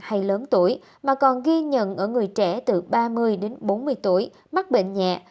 hay lớn tuổi mà còn ghi nhận ở người trẻ từ ba mươi đến bốn mươi tuổi mắc bệnh nhẹ